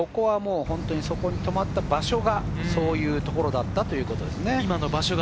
そこに止まった場所がそういうところだったということですね。